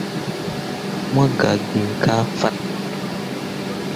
Mo gah gn kah fat.